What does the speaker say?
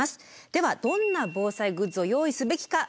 ではどんな防災グッズを用意すべきかご覧下さい。